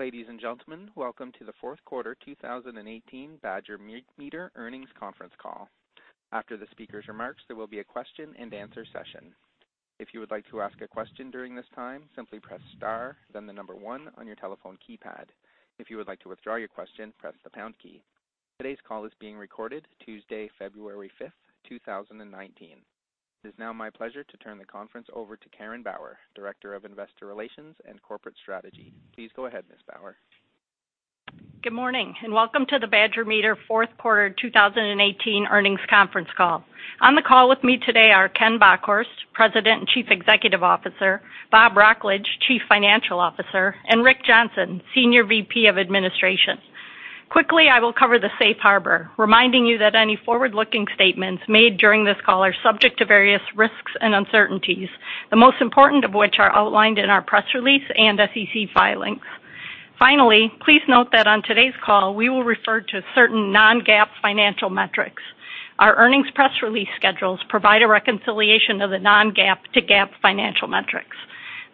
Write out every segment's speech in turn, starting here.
Ladies and gentlemen, welcome to the fourth quarter 2018 Badger Meter earnings conference call. After the speakers' remarks, there will be a question-and-answer session. If you would like to ask a question during this time, simply press star then one on your telephone keypad. If you would like to withdraw your question, press the pound key. Today's call is being recorded Tuesday, February 5th, 2019. It is now my pleasure to turn the conference over to Karen Bauer, Director of Investor Relations and Corporate Strategy. Please go ahead, Ms. Bauer. Good morning, and welcome to the Badger Meter fourth quarter 2018 earnings conference call. On the call with me today are Ken Bockhorst, President and Chief Executive Officer; Bob Wrocklage, Chief Financial Officer; and Rick Johnson, Senior VP of Administration. Quickly, I will cover the safe harbor, reminding you that any forward-looking statements made during this call are subject to various risks and uncertainties, the most important of which are outlined in our press release and SEC filings. Finally, please note that on today's call, we will refer to certain non-GAAP financial metrics. Our earnings press release schedules provide a reconciliation of the non-GAAP to GAAP financial metrics.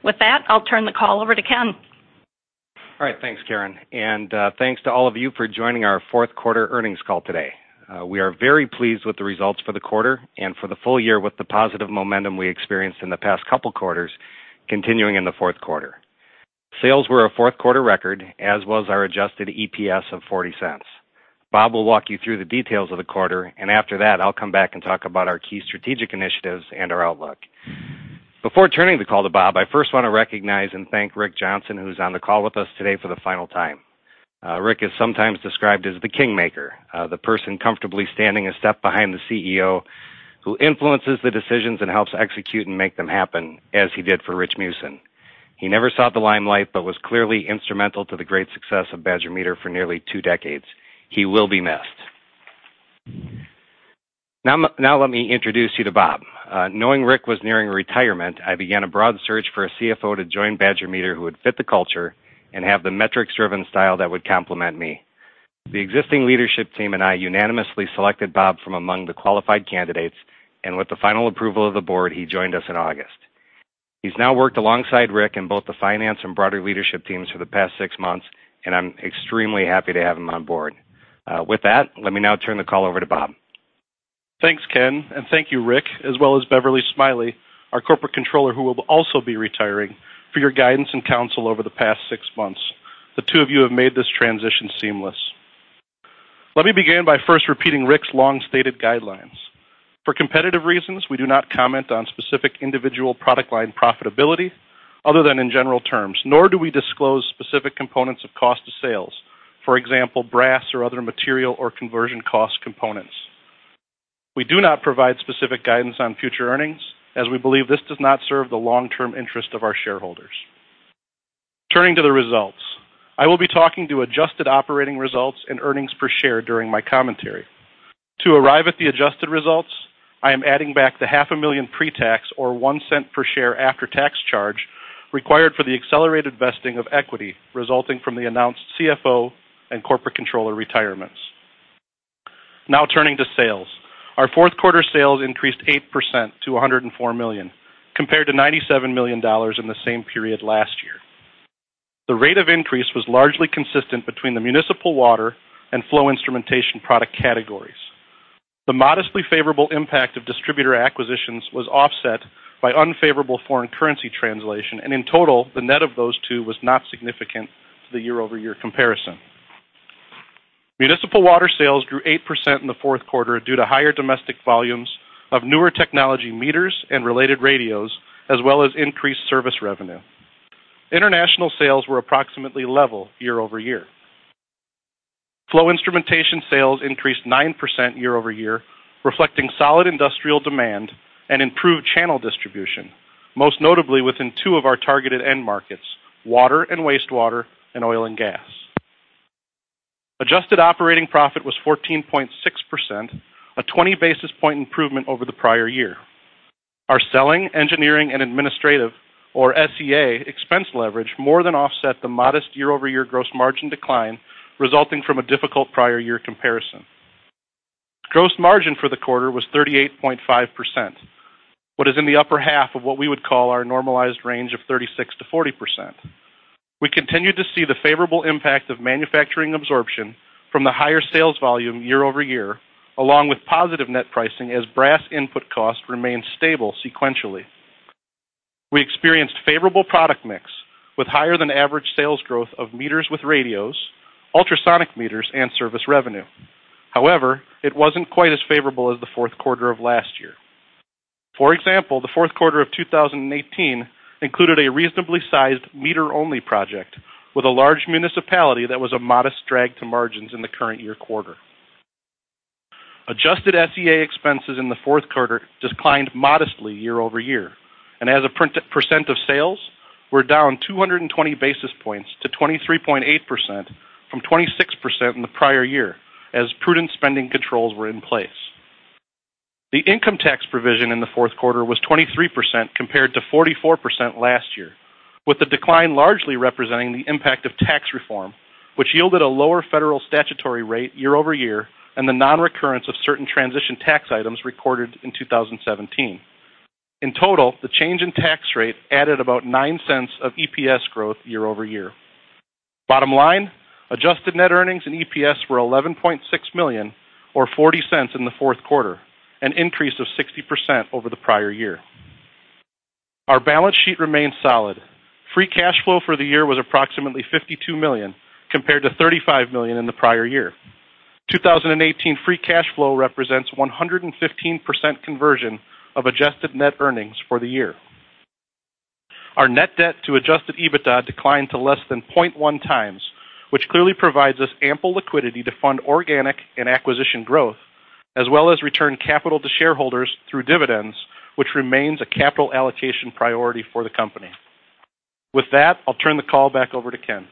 With that, I'll turn the call over to Ken. All right. Thanks, Karen, and thanks to all of you for joining our fourth quarter earnings call today. We are very pleased with the results for the quarter and for the full year with the positive momentum we experienced in the past couple quarters continuing in the fourth quarter. Sales were a fourth quarter record, as was our adjusted EPS of $0.40. Bob will walk you through the details of the quarter, and after that, I'll come back and talk about our key strategic initiatives and our outlook. Before turning the call to Bob, I first want to recognize and thank Rick Johnson, who's on the call with us today for the final time. Rick is sometimes described as the kingmaker, the person comfortably standing a step behind the CEO who influences the decisions and helps execute and make them happen, as he did for Rich Meeusen. He never sought the limelight but was clearly instrumental to the great success of Badger Meter for nearly two decades. He will be missed. Now, let me introduce you to Bob. Knowing Rick was nearing retirement, I began a broad search for a CFO to join Badger Meter who would fit the culture and have the metrics-driven style that would complement me. The existing leadership team and I unanimously selected Bob from among the qualified candidates, and with the final approval of the board, he joined us in August. He's now worked alongside Rick in both the finance and broader leadership teams for the past six months, and I'm extremely happy to have him on board. With that, let me now turn the call over to Bob. Thanks, Ken, and thank you, Rick, as well as Beverly Smiley, our Corporate Controller, who will also be retiring, for your guidance and counsel over the past six months. The two of you have made this transition seamless. Let me begin by first repeating Rick's long-stated guidelines. For competitive reasons, we do not comment on specific individual product line profitability other than in general terms, nor do we disclose specific components of cost of sales. For example, brass or other material or conversion cost components. We do not provide specific guidance on future earnings, as we believe this does not serve the long-term interest of our shareholders. Turning to the results. I will be talking to adjusted operating results and earnings per share during my commentary. To arrive at the adjusted results, I am adding back the $500,000 pre-tax or $0.01 per share after-tax charge required for the accelerated vesting of equity resulting from the announced CFO and Corporate Controller retirements. Turning to sales. Our fourth quarter sales increased 8% to $104 million, compared to $97 million in the same period last year. The rate of increase was largely consistent between the municipal water and flow instrumentation product categories. The modestly favorable impact of distributor acquisitions was offset by unfavorable foreign currency translation, and in total, the net of those two was not significant to the year-over-year comparison. Municipal water sales grew 8% in the fourth quarter due to higher domestic volumes of newer technology meters and related radios, as well as increased service revenue. International sales were approximately level year-over-year. Flow instrumentation sales increased 9% year-over-year, reflecting solid industrial demand and improved channel distribution, most notably within two of our targeted end markets: water and wastewater, and oil and gas. Adjusted operating profit was 14.6%, a 20-basis point improvement over the prior year. Our selling, engineering, and administrative or SEA expense leverage more than offset the modest year-over-year gross margin decline resulting from a difficult prior year comparison. Gross margin for the quarter was 38.5%, what is in the upper half of what we would call our normalized range of 36%-40%. We continued to see the favorable impact of manufacturing absorption from the higher sales volume year-over-year, along with positive net pricing as brass input cost remained stable sequentially. We experienced favorable product mix with higher-than-average sales growth of meters with radios, ultrasonic meters, and service revenue. However, it wasn't quite as favorable as the fourth quarter of last year. For example, the fourth quarter of 2018 included a reasonably sized meter-only project with a large municipality that was a modest drag to margins in the current year quarter. Adjusted SEA expenses in the fourth quarter declined modestly year-over-year, and as a percent of sales, we're down 220 basis points to 23.8% from 26% in the prior year as prudent spending controls were in place. The income tax provision in the fourth quarter was 23% compared to 44% last year, with the decline largely representing the impact of tax reform, which yielded a lower federal statutory rate year-over-year and the non-recurrence of certain transition tax items recorded in 2017. In total, the change in tax rate added about $0.09 of EPS growth year-over-year. Bottom line, adjusted net earnings and EPS were $11.6 million or $0.40 in the fourth quarter, an increase of 60% over the prior year. Our balance sheet remains solid. Free cash flow for the year was approximately $52 million compared to $35 million in the prior year. 2018 free cash flow represents 115% conversion of adjusted net earnings for the year. Our net debt-to-Adjusted EBITDA declined to less than 0.1x, which clearly provides us ample liquidity to fund organic and acquisition growth, as well as return capital to shareholders through dividends, which remains a capital allocation priority for the company. With that, I'll turn the call back over to Ken.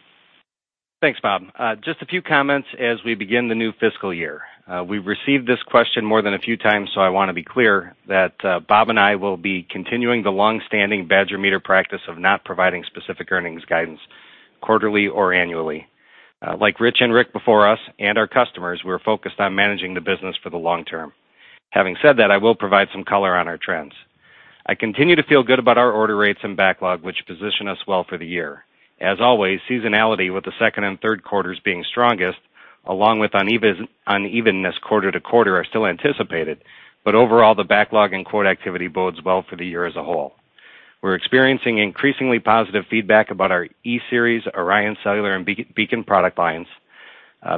Thanks, Bob. Just a few comments as we begin the new fiscal year. We've received this question more than a few times, so I want to be clear that Bob and I will be continuing the longstanding Badger Meter practice of not providing specific earnings guidance quarterly or annually. Like Rich and Rick before us, and our customers, we're focused on managing the business for the long term. Having said that, I will provide some color on our trends. I continue to feel good about our order rates and backlog, which position us well for the year. As always, seasonality with the second and third quarters being strongest, along with unevenness quarter to quarter are still anticipated. Overall, the backlog and quote activity bodes well for the year as a whole. We're experiencing increasingly positive feedback about our E-Series, ORION Cellular and BEACON product lines.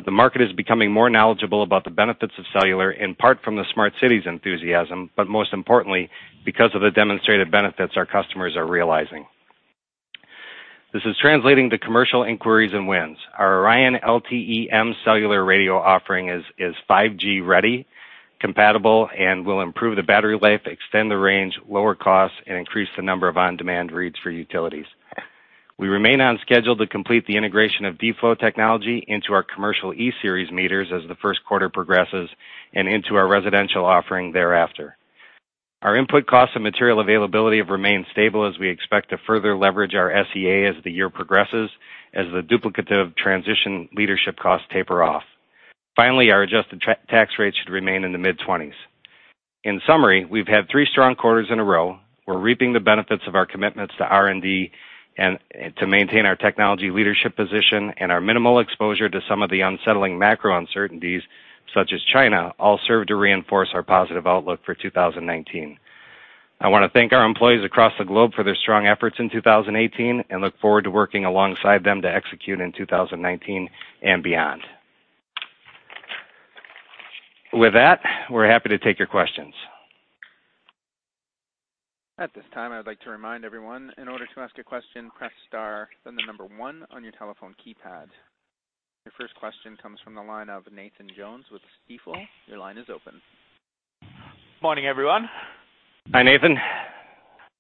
The market is becoming more knowledgeable about the benefits of cellular, in part from the smart cities enthusiasm, but most importantly, because of the demonstrated benefits our customers are realizing. This is translating to commercial inquiries and wins. Our ORION® LTE-M cellular radio offering is 5G-ready, compatible, and will improve the battery life, extend the range, lower costs, and increase the number of on-demand reads for utilities. We remain on schedule to complete the integration of D-Flow Technology into our commercial E-Series meters as the first quarter progresses and into our residential offering thereafter. Our input costs and material availability have remained stable as we expect to further leverage our SEA as the year progresses, as the duplicative transition leadership costs taper off. Finally, our adjusted tax rate should remain in the mid-20%. In summary, we've had three strong quarters in a row. We're reaping the benefits of our commitments to R&D. To maintain our technology leadership position and our minimal exposure to some of the unsettling macro uncertainties such as China, all serve to reinforce our positive outlook for 2019. I want to thank our employees across the globe for their strong efforts in 2018, and look forward to working alongside them to execute in 2019 and beyond. With that, we're happy to take your questions. At this time, I would like to remind everyone, in order to ask a question, press star, then the number one on your telephone keypad. Your first question comes from the line of Nathan Jones with Stifel. Your line is open. Morning, everyone. Hi, Nathan.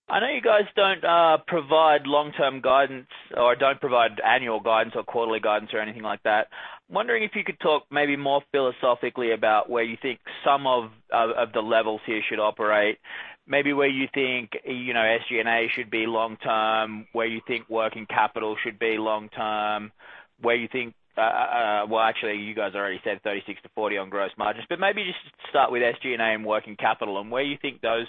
I know you guys don't provide long-term guidance or don't provide annual guidance or quarterly guidance or anything like that. I'm wondering if you could talk maybe more philosophically about where you think some of the levels here should operate, maybe where you think SG&A should be long-term, where you think working capital should be long-term. Actually, you guys already said 36%-40% on gross margins, but maybe just start with SG&A and working capital and where you think those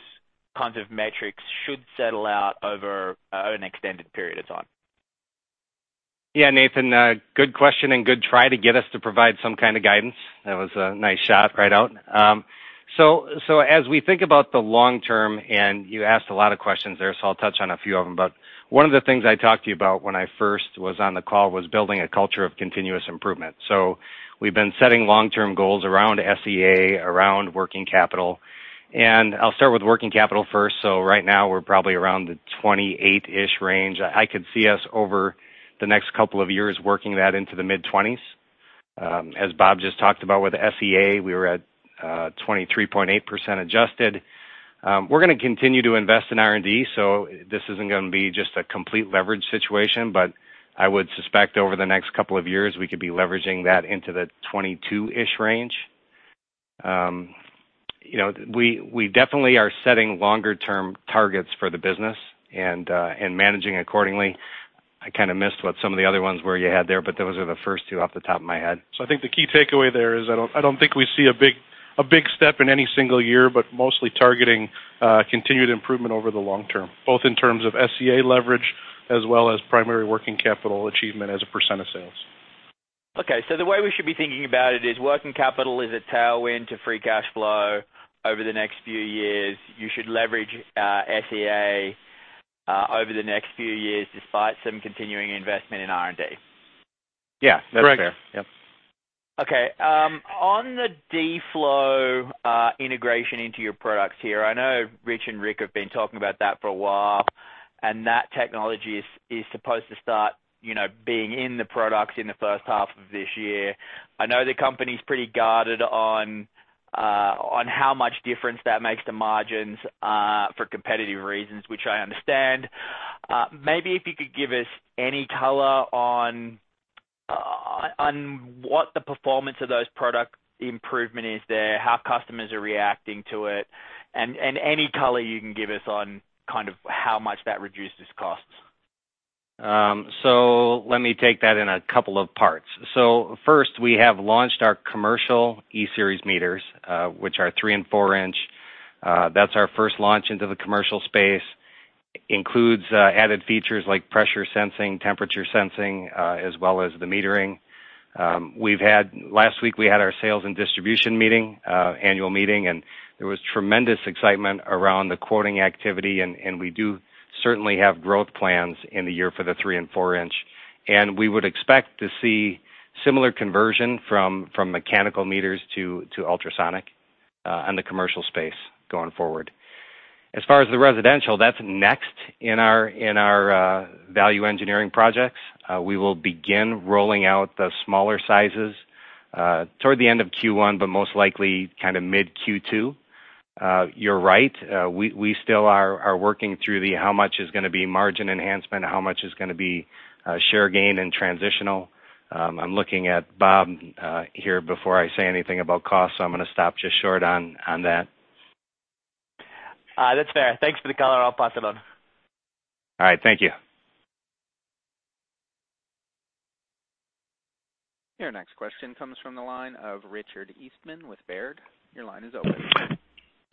kinds of metrics should settle out over an extended period of time. Nathan, good question and good try to get us to provide some kind of guidance. That was a nice shot right out. As we think about the long term, and you asked a lot of questions there, I'll touch on a few of them. One of the things I talked to you about when I first was on the call was building a culture of continuous improvement. We've been setting long-term goals around SEA, around working capital, and I'll start with working capital first. Right now, we're probably around the 28% range. I could see us over the next couple of years working that into the mid-20%. As Bob just talked about with SEA, we were at 23.8% adjusted. We're going to continue to invest in R&D, this isn't going to be just a complete leverage situation. I would suspect over the next couple of years, we could be leveraging that into the 22% range. We definitely are setting longer-term targets for the business and managing accordingly. I kind of missed what some of the other ones were you had there, those are the first two off the top of my head. I think the key takeaway there is, I don't think we see a big step in any single year, mostly targeting continued improvement over the long term, both in terms of SEA leverage as well as primary working capital achievement as a percent of sales. Okay. The way we should be thinking about it is working capital is a tailwind to free cash flow over the next few years. You should leverage SEA over the next few years, despite some continuing investment in R&D. Yeah, that's fair. Correct. On the D-Flow integration into your products here, I know Rich and Rick have been talking about that for a while, and that technology is supposed to start being in the products in the first half of this year. I know the company's pretty guarded on how much difference that makes to margins for competitive reasons, which I understand. Maybe if you could give us any color on what the performance of those product improvement is there, how customers are reacting to it, and any color you can give us on how much that reduces costs. Let me take that in a couple of parts. First, we have launched our commercial E-Series meters, which are 3 in and 4 in. That's our first launch into the commercial space. Includes added features like pressure sensing, temperature sensing, as well as the metering. Last week, we had our sales and distribution annual meeting, and there was tremendous excitement around the quoting activity, and we do certainly have growth plans in the year for the 3 in and 4 in. We would expect to see similar conversion from mechanical meters to ultrasonic on the commercial space going forward. As far as the residential, that's next in our value engineering projects. We will begin rolling out the smaller sizes toward the end of Q1, but most likely kind of mid-Q2. You're right, we still are working through the how much is going to be margin enhancement, how much is going to be share gain and transitional. I'm looking at Bob here before I say anything about cost, I'm going to stop just short on that. That's fair. Thanks for the color. I'll pass it on. All right. Thank you. Your next question comes from the line of Richard Eastman with Baird. Your line is open.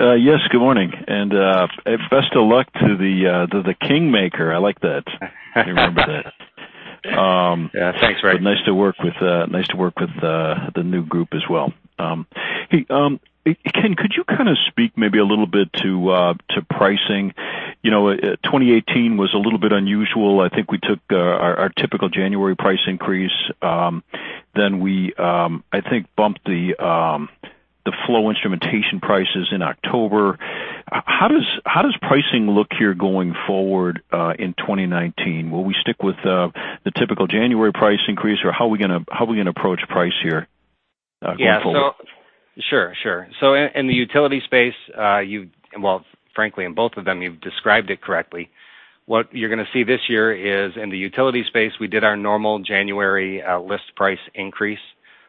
Good morning, and best of luck to the king maker. I like that. Let me remember that. Thanks, Rich. Nice to work with the new group as well. Ken, could you kind of speak maybe a little bit to pricing? 2018 was a little bit unusual. I think we took our typical January price increase. Then we, I think, bumped the flow instrumentation prices in October. How does pricing look here going forward in 2019? Will we stick with the typical January price increase, or how are we going to approach price here going forward? Sure. In the utility space, frankly, in both of them, you've described it correctly. What you're going to see this year is in the utility space, we did our normal January list price increase.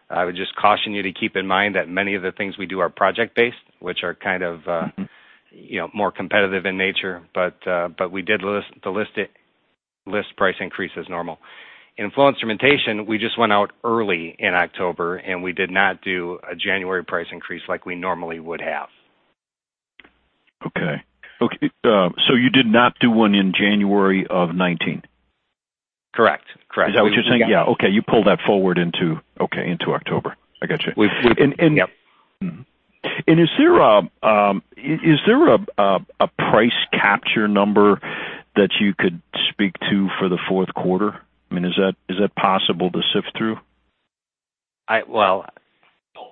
I would just caution you to keep in mind that many of the things we do are project-based, which are kind of more competitive in nature. We did the list price increase as normal. In flow instrumentation, we just went out early in October. We did not do a January price increase like we normally would have. You did not do one in January of 2019? Correct. Is that what you're saying? You pulled that forward into October. I got you. Is there a price capture number that you could speak to for the fourth quarter? I mean, is that possible to sift through? Well, no.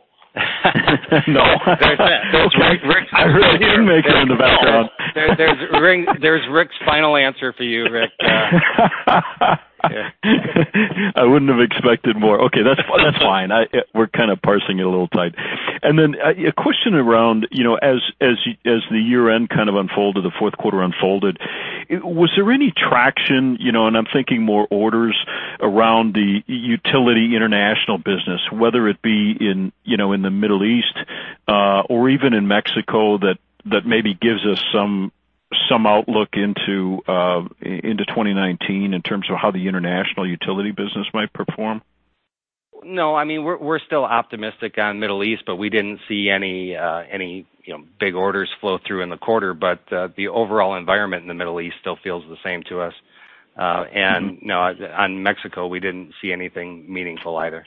No? There's that. Okay. I really did make it in the background. There's Rick's final answer for you, Rich. I wouldn't have expected more. That's fine. We're kind of parsing it a little tight. Then a question around, as the year end kind of unfolded, the fourth quarter unfolded, was there any traction, and I'm thinking more orders around the utility international business, whether it be in the Middle East or even in Mexico, that maybe gives us some outlook into 2019 in terms of how the international utility business might perform? No, we're still optimistic on Middle East, but we didn't see any big orders flow through in the quarter. The overall environment in the Middle East still feels the same to us. No, on Mexico, we didn't see anything meaningful either.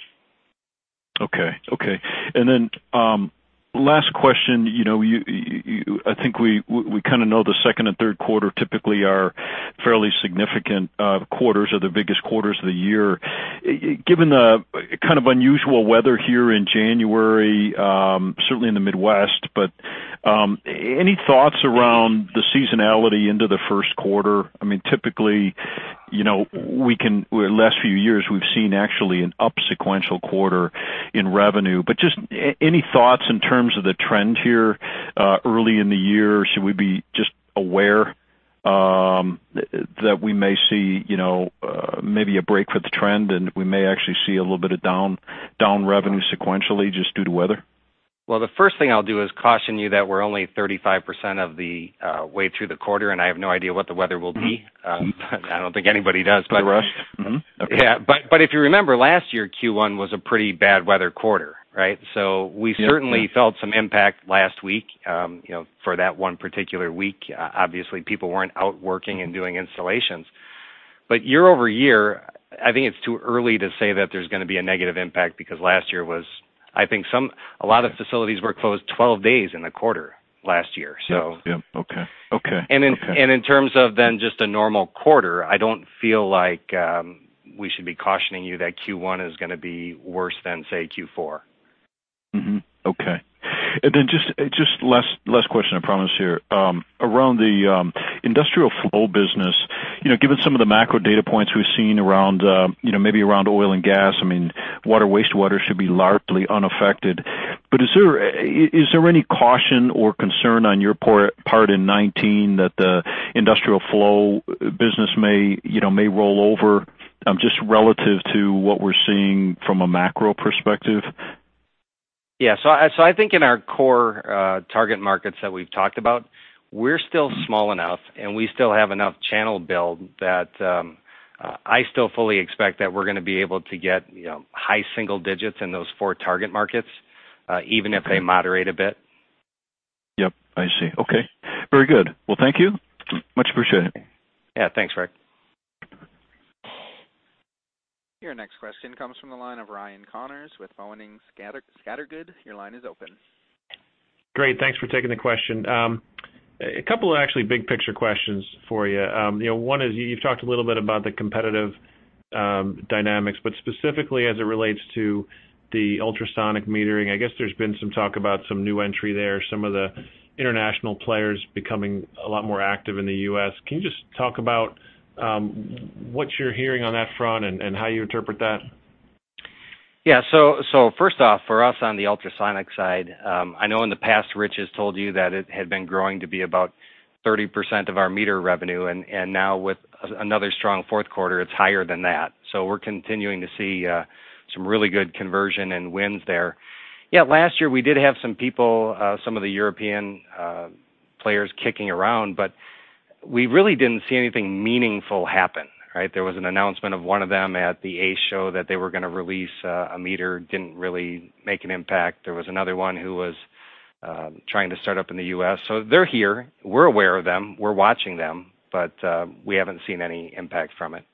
Last question. I think we kind of know the second and third quarter typically are fairly significant quarters or the biggest quarters of the year. Given the kind of unusual weather here in January, certainly in the Midwest, any thoughts around the seasonality into the first quarter? Typically, the last few years, we've seen actually an up sequential quarter in revenue. Any thoughts in terms of the trend here early in the year? Should we be just aware that we may see maybe a break for the trend, and we may actually see a little bit of down revenue sequentially just due to weather? Well, the first thing I'll do is caution you that we're only 35% of the way through the quarter, and I have no idea what the weather will be. I don't think anybody does. Sure. If you remember last year, Q1 was a pretty bad weather quarter. We certainly felt some impact last week for that one particular week. Obviously, people weren't out working and doing installations. Year-over-year, I think it's too early to say that there's going to be a negative impact because last year, I think a lot of facilities were closed 12 days in the quarter last year. In terms of then just a normal quarter, I don't feel like we should be cautioning you that Q1 is going to be worse than, say, Q4. Just last question, I promise here. Around the industrial flow business, given some of the macro data points we've seen maybe around oil and gas, water, wastewater should be largely unaffected. Is there any caution or concern on your part in 2019 that the industrial flow business may roll over, just relative to what we're seeing from a macro perspective? I think in our core target markets that we've talked about, we're still small enough, and we still have enough channel build that I still fully expect that we're going to be able to get high single-digits in those four target markets, even if they moderate a bit. I see. Very good. Thank you. Much appreciated. Thanks, Rich. Your next question comes from the line of Ryan Connors with Boenning & Scattergood. Your line is open. Great. Thanks for taking the question. A couple of actually big-picture questions for you. One is, you've talked a little bit about the competitive dynamics, but specifically as it relates to the ultrasonic metering. I guess there's been some talk about some new entry there, some of the international players becoming a lot more active in the U.S. Can you just talk about what you're hearing on that front and how you interpret that? First off, for us on the ultrasonic side, I know in the past, Rich has told you that it had been growing to be about 30% of our meter revenue, and now with another strong fourth quarter, it's higher than that. We're continuing to see some really good conversion and wins there. Last year, we did have some people, some of the European players kicking around, we really didn't see anything meaningful happen. There was an announcement of one of them at the ACE show that they were going to release a meter. Didn't really make an impact. There was another one who was trying to start up in the U.S. They're here. We're aware of them. We're watching them, we haven't seen any impact from it.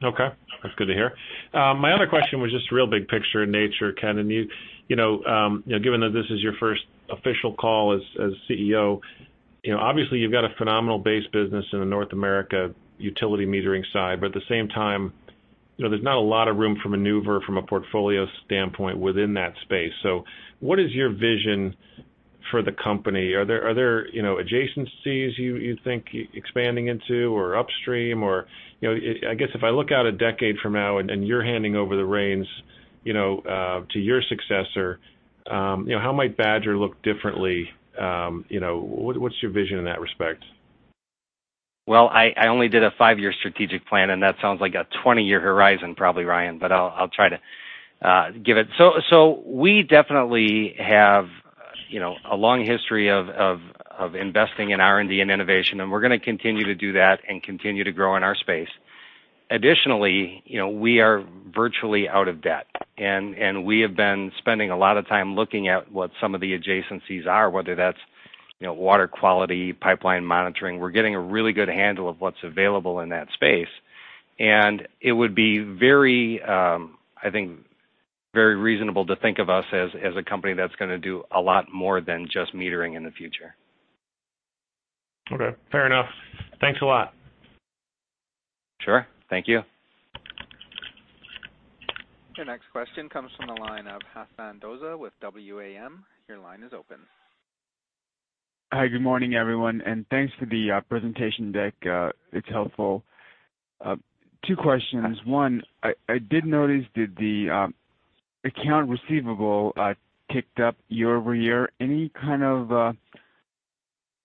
That's good to hear. My other question was just real big picture in nature, Ken. Given that this is your first official call as CEO, obviously you've got a phenomenal base business in the North America utility metering side, but at the same time, there's not a lot of room for maneuver from a portfolio standpoint within that space. What is your vision for the company? Are there adjacencies you think expanding into or upstream or, I guess if I look out a decade from now and you're handing over the reins to your successor, how might Badger look differently? What's your vision in that respect? Well, I only did a five-year strategic plan, and that sounds like a 20-year horizon probably, Ryan, but I'll try to give it. We definitely have a long history of investing in R&D and innovation, and we're going to continue to do that and continue to grow in our space. Additionally, we are virtually out of debt, and we have been spending a lot of time looking at what some of the adjacencies are, whether that's water quality, pipeline monitoring. We're getting a really good handle of what's available in that space, and it would be very reasonable to think of us as a company that's going to do a lot more than just metering in the future. Fair enough. Thanks a lot. Sure. Thank you. Your next question comes from the line of Hasan Doza with WAM. Your line is open. Hi. Good morning, everyone, and thanks for the presentation deck. It's helpful. Two questions. One, I did notice that the account receivable ticked up year-over-year. Any kind of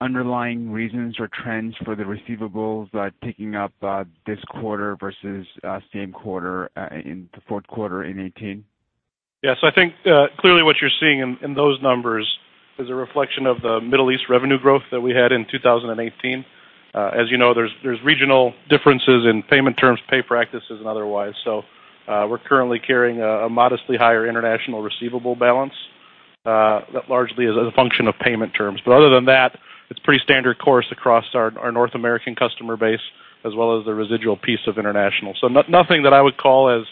underlying reasons or trends for the receivables ticking up this quarter versus the fourth quarter in 2018? I think clearly what you're seeing in those numbers is a reflection of the Middle East revenue growth that we had in 2018. As you know, there's regional differences in payment terms, pay practices and otherwise. We're currently carrying a modestly higher international receivable balance. That largely is a function of payment terms. Other than that, it's pretty standard course across our North American customer base as well as the residual piece of international. Nothing that I would call as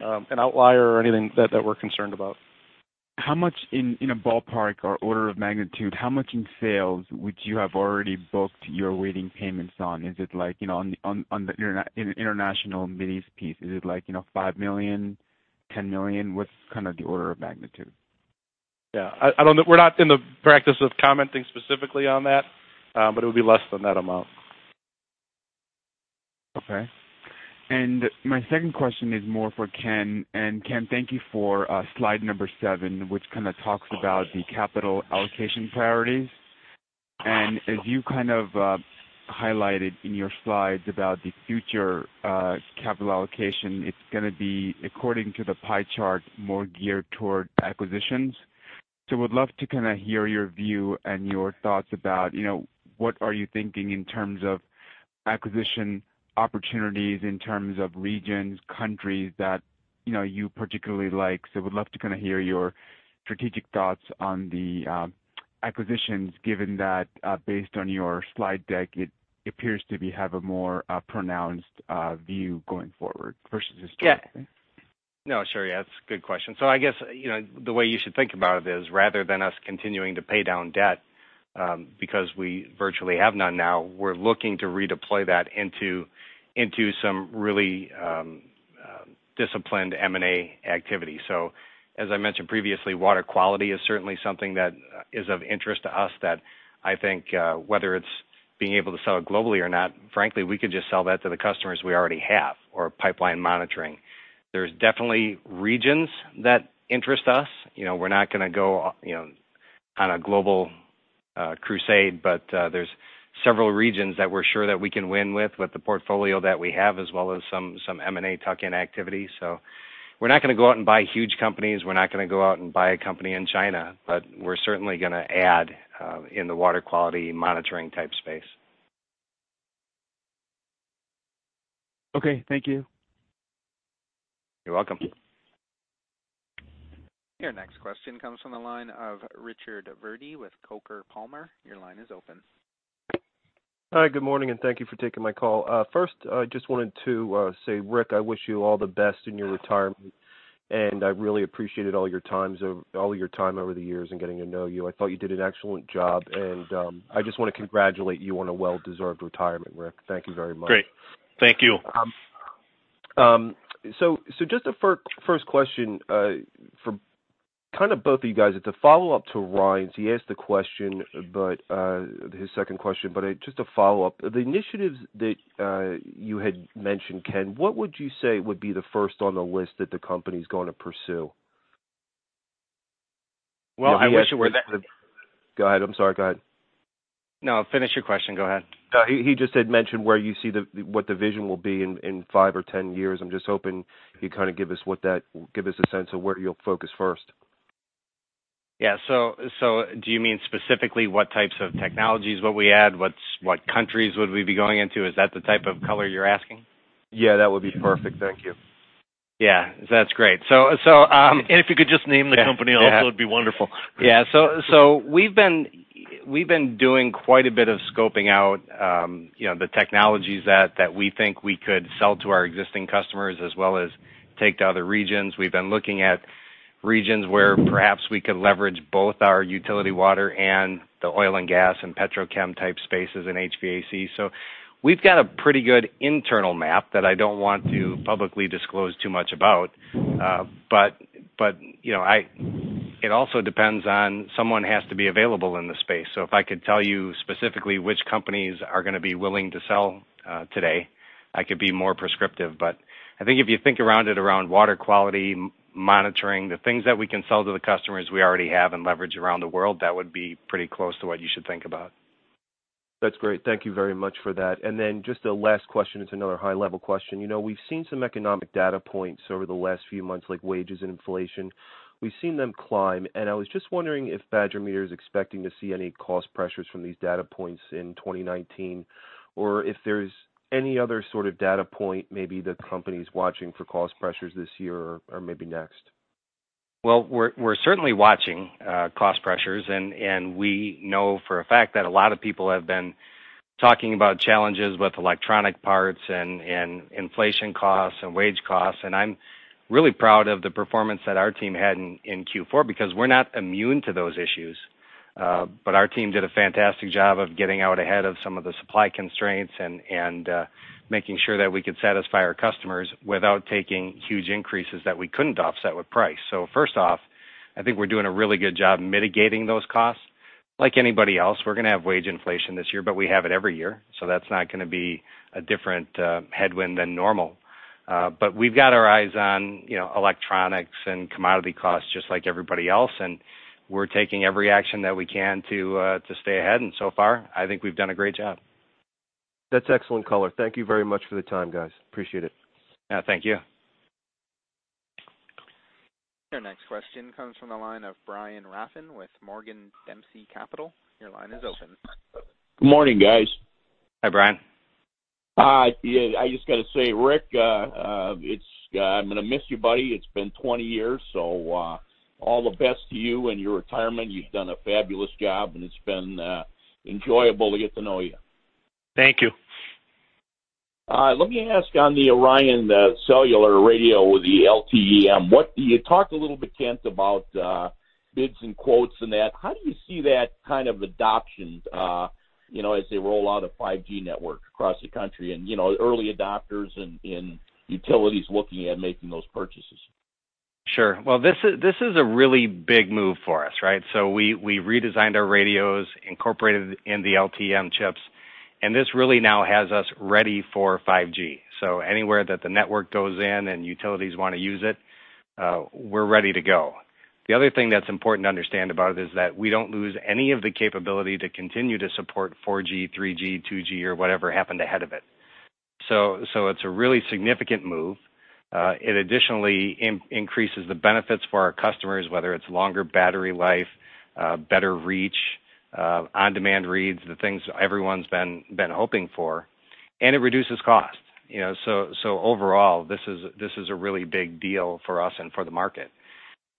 an outlier or anything that we're concerned about. How much in a ballpark or order of magnitude, how much in sales would you have already booked your waiting payments on? Is it like, in the international Mideast piece, is it like $5 million, $10 million? What's kind of the order of magnitude? We're not in the practice of commenting specifically on that, but it'll be less than that amount. My second question is more for Ken. Ken, thank you for slide number seven, which kind of talks about the capital allocation priorities. As you kind of highlighted in your slides about the future capital allocation, it's going to be, according to the pie chart, more geared toward acquisitions. Would love to kind of hear your view and your thoughts about what are you thinking in terms of acquisition opportunities, in terms of regions, countries that you particularly like. Would love to kind of hear your strategic thoughts on the acquisitions, given that based on your slide deck, it appears to have a more pronounced view going forward versus historically. Sure. That's a good question. I guess, the way you should think about it is rather than us continuing to pay down debt, because we virtually have none now, we're looking to redeploy that into some really disciplined M&A activity. As I mentioned previously, water quality is certainly something that is of interest to us that I think whether it's being able to sell it globally or not, frankly, we could just sell that to the customers we already have or pipeline monitoring. There's definitely regions that interest us. We're not going to go on a global crusade, but there's several regions that we're sure that we can win with the portfolio that we have, as well as some M&A tuck-in activity. We're not going to go out and buy huge companies, we're not going to go out and buy a company in China, but we're certainly going to add in the water quality monitoring type space. Thank you. You're welcome. Your next question comes from the line of Richard Verdi with Coker Palmer. Your line is open. Hi, good morning, and thank you for taking my call. First, I just wanted to say, Rick, I wish you all the best in your retirement, and I really appreciated all your time over the years in getting to know you. I thought you did an excellent job, and I just want to congratulate you on a well-deserved retirement, Rick. Thank you very much. Great. Thank you. Just the first question for kind of both of you guys. It's a follow-up to Ryan's second question. The initiatives that you had mentioned, Ken, what would you say would be the first on the list that the company's going to pursue? Well, I wish it were that. Go ahead. I'm sorry. Go ahead. No, finish your question. Go ahead. He just had mentioned where you see what the vision will be in 5 or 10 years. I'm just hoping you kind of give us a sense of where you'll focus first. Do you mean specifically what types of technologies will we add? What countries would we be going into? Is that the type of color you're asking? Yeah, that would be perfect. Thank you. That's great. If you could just name the company also, it'd be wonderful. We've been doing quite a bit of scoping out the technologies that we think we could sell to our existing customers as well as take to other regions. We've been looking at regions where perhaps we could leverage both our utility water and the oil and gas and petrochem type spaces and HVAC. We've got a pretty good internal map that I don't want to publicly disclose too much about. It also depends on someone has to be available in the space. If I could tell you specifically which companies are going to be willing to sell today, I could be more prescriptive. I think if you think around it, around water quality monitoring, the things that we can sell to the customers we already have and leverage around the world, that would be pretty close to what you should think about. That's great. Thank you very much for that. Just the last question, it's another high-level question. We've seen some economic data points over the last few months, like wages and inflation. We've seen them climb, and I was just wondering if Badger Meter is expecting to see any cost pressures from these data points in 2019, or if there's any other sort of data point maybe the company's watching for cost pressures this year or maybe next? Well, we're certainly watching cost pressures. We know for a fact that a lot of people have been talking about challenges with electronic parts and inflation costs and wage costs. I'm really proud of the performance that our team had in Q4 because we're not immune to those issues. Our team did a fantastic job of getting out ahead of some of the supply constraints and making sure that we could satisfy our customers without taking huge increases that we couldn't offset with price. First off, I think we're doing a really good job mitigating those costs. Like anybody else, we're going to have wage inflation this year, but we have it every year, so that's not going to be a different headwind than normal. We've got our eyes on electronics and commodity costs just like everybody else. We're taking every action that we can to stay ahead. So far, I think we've done a great job. That's excellent color. Thank you very much for the time, guys. Appreciate it. Thank you. Your next question comes from the line of Brian Rafn with Morgan Dempsey Capital. Your line is open. Good morning, guys. Hi, Brian. Hi. I just got to say, Rick, I'm going to miss you, buddy. It's been 20 years, all the best to you in your retirement. You've done a fabulous job, and it's been enjoyable to get to know you. Thank you. All right. Let me ask on the ORION Cellular radio with the LTE-M. You talked a little bit, Ken, about bids and quotes and that. How do you see that kind of adoption as they roll out a 5G network across the country and early adopters in utilities looking at making those purchases? Sure. Well, this is a really big move for us. We redesigned our radios, incorporated in the LTE-M chips, and this really now has us ready for 5G. Anywhere that the network goes in and utilities want to use it, we're ready to go. The other thing that's important to understand about it is that we don't lose any of the capability to continue to support 4G, 3G, 2G, or whatever happened ahead of it. It's a really significant move. It additionally increases the benefits for our customers, whether it's longer battery life, better reach, on-demand reads, the things everyone's been hoping for, and it reduces cost. Overall, this is a really big deal for us and for the market.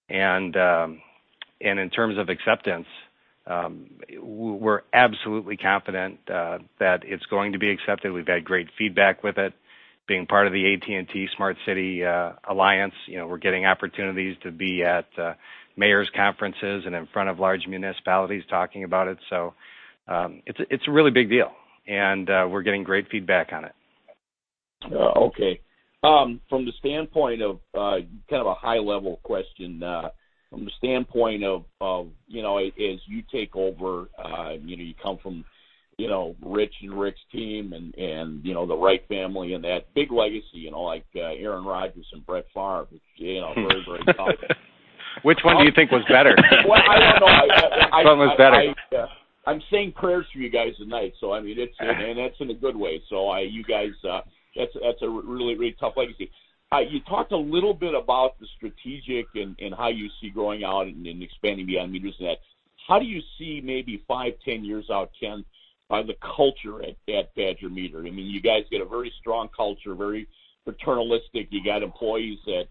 In terms of acceptance, we're absolutely confident that it's going to be accepted. We've had great feedback with it. Being part of the AT&T Smart City Alliance, we're getting opportunities to be at mayors' conferences and in front of large municipalities talking about it. It's a really big deal, and we're getting great feedback on it. From the standpoint of kind of a high-level question. As you take over, you come from Rich and Rick's team and the Wright family and that big legacy, like Aaron Rodgers and Brett Favre, which, very great guys. Which one do you think was better? Well, I don't know. Which one was better? I'm saying prayers for you guys tonight, and that's in a good way. You guys, that's a really tough legacy. You talked a little bit about the strategic and how you see growing out and expanding beyond meters and that. How do you see maybe 5, 10 years out, Ken, the culture at Badger Meter? You guys got a very strong culture, very paternalistic. You got employees that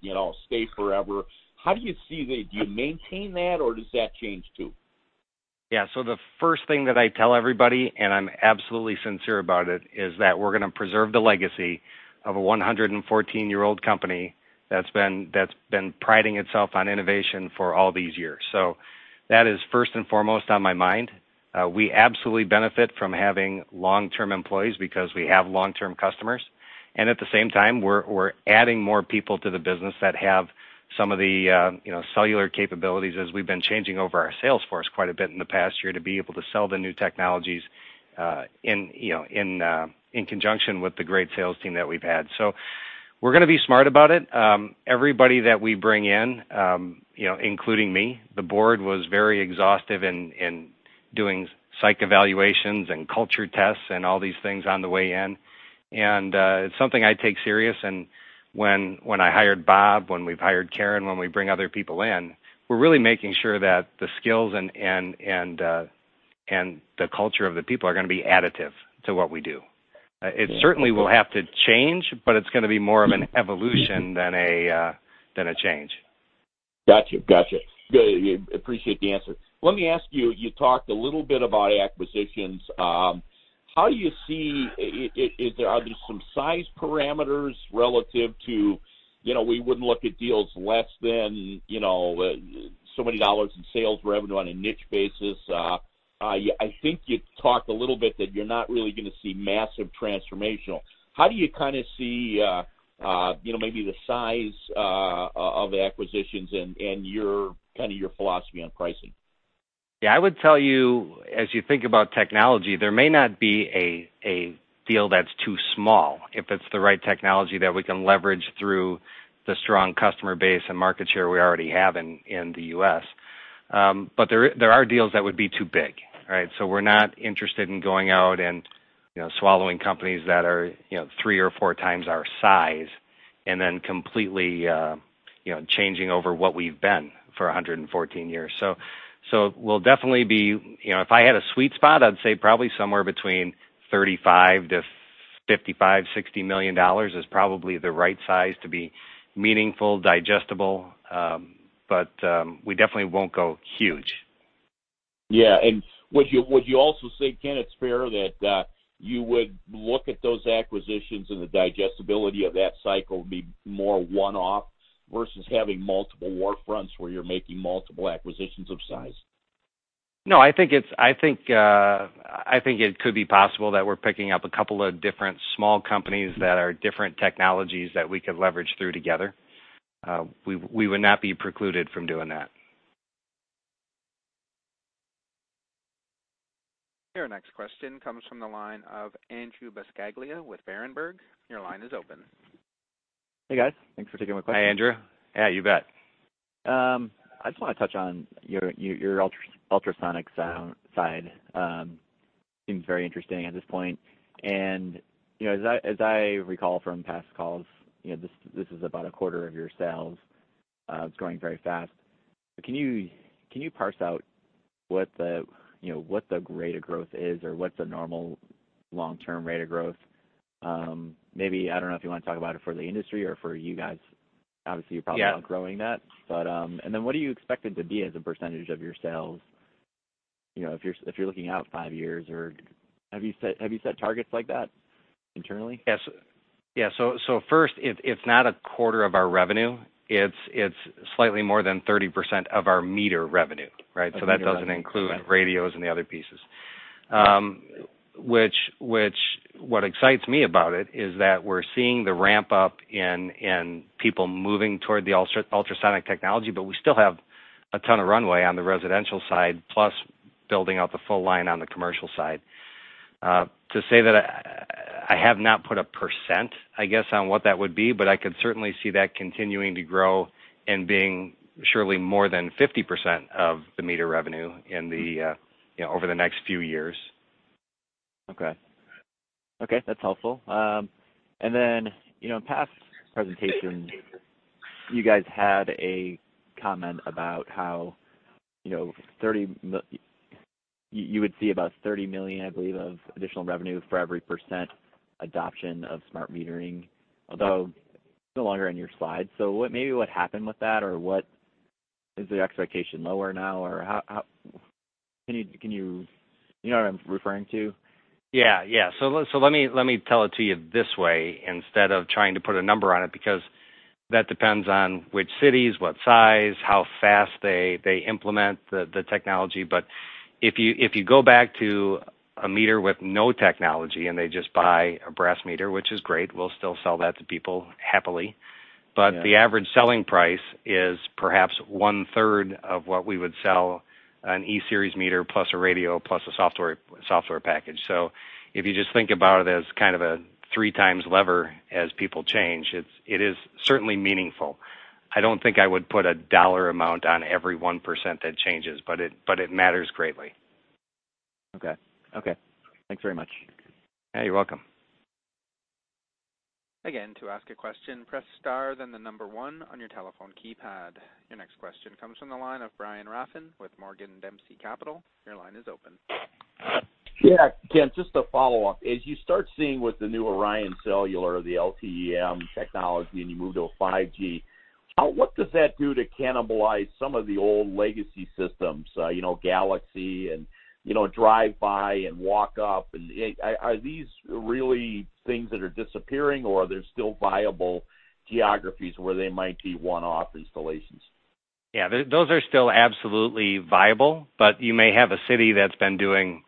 stay forever. How do you see that? Do you maintain that, or does that change, too? The first thing that I tell everybody, and I'm absolutely sincere about it, is that we're going to preserve the legacy of a 114-year-old company that's been priding itself on innovation for all these years. That is first and foremost on my mind. We absolutely benefit from having long-term employees because we have long-term customers, and at the same time, we're adding more people to the business that have some of the cellular capabilities, as we've been changing over our sales force quite a bit in the past year to be able to sell the new technologies in conjunction with the great sales team that we've had. We're going to be smart about it. Everybody that we bring in, including me, the board was very exhaustive in doing psych evaluations and culture tests and all these things on the way in, and it's something I take serious. When I hired Bob, when we've hired Karen, when we bring other people in, we're really making sure that the skills and the culture of the people are going to be additive to what we do. It certainly will have to change, but it's going to be more of an evolution than a change. Got you. Good. Appreciate the answer. Let me ask you. You talked a little bit about acquisitions. Are there some size parameters relative to we wouldn't look at deals less than so many dollars in sales revenue on a niche basis? I think you talked a little bit that you're not really going to see massive transformation. How do you see maybe the size of acquisitions and your philosophy on pricing? I would tell you, as you think about technology, there may not be a deal that's too small if it's the right technology that we can leverage through the strong customer base and market share we already have in the U.S. There are deals that would be too big. We're not interested in going out and swallowing companies that are three or four times our size and then completely changing over what we've been for 114 years. We'll definitely be, if I had a sweet spot, I'd say probably somewhere between $35 million-$55 million, $60 million is probably the right size to be meaningful, digestible. We definitely won't go huge. Would you also say, Ken, it's fair that you would look at those acquisitions and the digestibility of that cycle would be more one-off versus having multiple war fronts where you're making multiple acquisitions of size? No, I think it could be possible that we're picking up a couple of different small companies that are different technologies that we could leverage through together. We would not be precluded from doing that. Your next question comes from the line of Andrew Buscaglia with Berenberg. Your line is open. Hey, guys. Thanks for taking my question. Hey, Andrew Buscaglia. You bet. I just want to touch on your ultrasonic side. Seems very interesting at this point. As I recall from past calls, this is about a quarter of your sales. It's growing very fast. Can you parse out what the rate of growth is, or what's the normal long-term rate of growth? Maybe, I don't know if you want to talk about it for the industry or for you guys. Obviously, you probably are growing that. What do you expect it to be as a percentage of your sales, if you're looking out five years, or have you set targets like that internally? Yes. First, it's not 1/4 of our revenue. It's slightly more than 30% of our meter revenue. That doesn't include radios and the other pieces. Got it. What excites me about it is that we're seeing the ramp up in people moving toward the ultrasonic technology, but we still have a ton of runway on the residential side, plus building out the full line on the commercial side. To say that I have not put a percent, I guess, on what that would be, but I could certainly see that continuing to grow and being surely more than 50% of the meter revenue over the next few years. That's helpful. In past presentations, you guys had a comment about how you would see about $30 million, I believe, of additional revenue for every 1% adoption of smart metering, although it's no longer on your slide. Maybe what happened with that, or is the expectation lower now? You know what I'm referring to? Let me tell it to you this way instead of trying to put a number on it, because that depends on which cities, what size, how fast they implement the technology. If you go back to a meter with no technology and they just buy a brass meter, which is great, we'll still sell that to people happily. The average selling price is perhaps 1/3 of what we would sell an E-Series meter plus a radio plus a software package. If you just think about it as kind of a three times lever as people change, it is certainly meaningful. I don't think I would put a dollar amount on every 1% that changes, but it matters greatly. Thanks very much. You're welcome. Again, to ask a question, press star, then the number one on your telephone keypad. Your next question comes from the line of Brian Rafn with Morgan Dempsey Capital. Your line is open. Ken, just a follow-up. As you start seeing with the new ORION Cellular, the LTE-M technology, and you move to a 5G, what does that do to cannibalize some of the old legacy systems, GALAXY and drive-by and walkup? Are these really things that are disappearing or are there still viable geographies where they might be one-off installations? Those are still absolutely viable, you may have a city that's been doing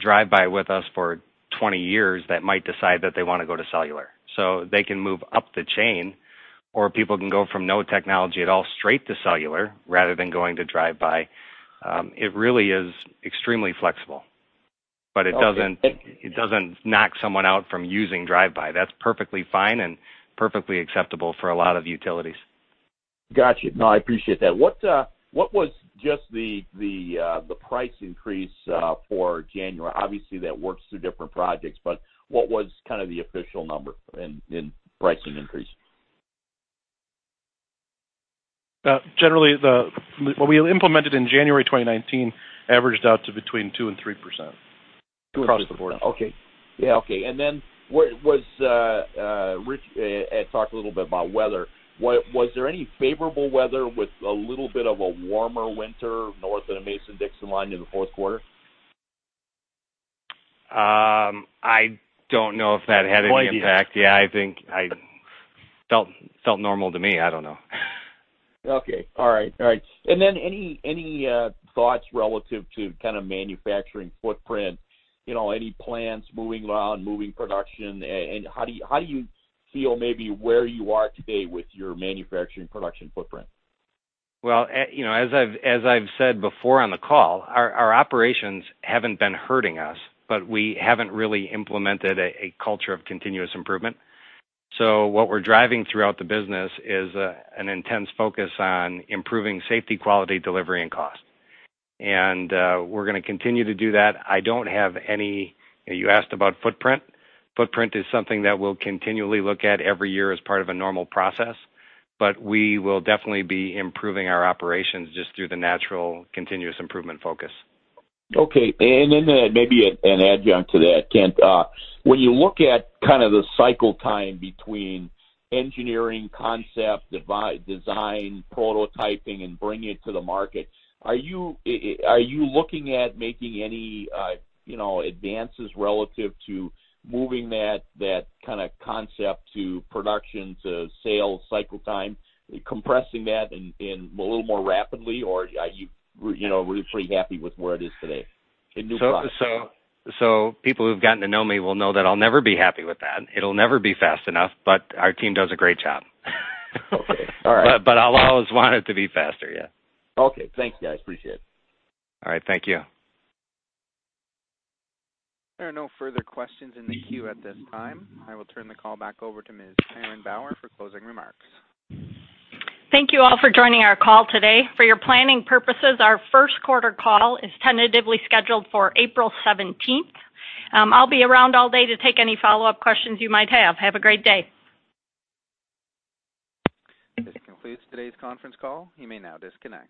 drive-by with us for 20 years that might decide that they want to go to cellular. They can move up the chain, or people can go from no technology at all straight to cellular rather than going to drive-by. It really is extremely flexible, it doesn't knock someone out from using drive-by. That's perfectly fine and perfectly acceptable for a lot of utilities. Got you. No, I appreciate that. What was just the price increase for January? Obviously, that works through different projects, but what was kind of the official number in price increase? Generally, what we implemented in January 2019 averaged out to between 2% and 3% across the board. Rich had talked a little bit about weather. Was there any favorable weather with a little bit of a warmer winter north of the Mason-Dixon line in the fourth quarter? I don't know if that had any impact. Felt normal to me. I don't know. Any thoughts relative to kind of manufacturing footprint? Any plans moving around, moving production? How do you feel maybe where you are today with your manufacturing production footprint? Well, as I've said before on the call, our operations haven't been hurting us, but we haven't really implemented a culture of continuous improvement. What we're driving throughout the business is an intense focus on improving safety, quality, delivery, and cost. We're going to continue to do that. You asked about footprint. Footprint is something that we'll continually look at every year as part of a normal process, but we will definitely be improving our operations just through the natural continuous improvement focus. Maybe an adjunct to that, Ken. When you look at kind of the cycle time between engineering concept, design, prototyping, and bringing it to the market, are you looking at making any advances relative to moving that kind of concept to production to sales cycle time, compressing that in a little more rapidly? Or are you really pretty happy with where it is today in new products? People who've gotten to know me will know that I'll never be happy with that. It'll never be fast enough, but our team does a great job. All right. I'll always want it to be faster. Thank you. I appreciate it. All right. Thank you. There are no further questions in the queue at this time. I will turn the call back over to Ms. Karen Bauer for closing remarks. Thank you all for joining our call today. For your planning purposes, our first quarter call is tentatively scheduled for April 17th. I'll be around all day to take any follow-up questions you might have. Have a great day. This concludes today's conference call. You may now disconnect.